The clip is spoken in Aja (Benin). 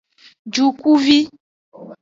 Dukuvi.